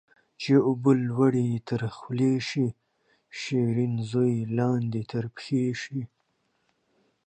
چي اوبه لوړي تر خولې سي ، شيرين زوى لاندي تر پښي سي